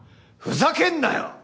ふざけんなよ！